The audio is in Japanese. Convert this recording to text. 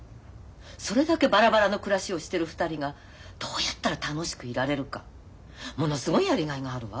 それだけバラバラの暮らしをしてる２人がどうやったら楽しくいられるかものすごいやりがいがあるわ。